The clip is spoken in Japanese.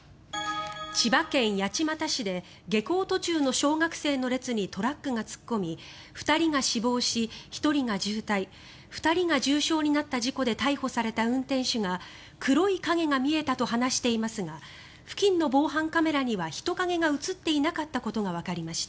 千葉県八街市で下校途中の小学生の列にトラックが突っ込み２人が死亡し、１人が重体２人が重傷になった事故で逮捕された運転手が黒い影が見えたと話していますが付近の防犯カメラには人影が映っていなかったことがわかりました。